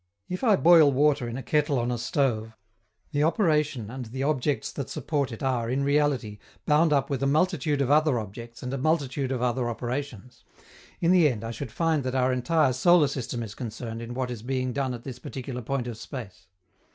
If I boil water in a kettle on a stove, the operation and the objects that support it are, in reality, bound up with a multitude of other objects and a multitude of other operations; in the end, I should find that our entire solar system is concerned in what is being done at this particular point of space.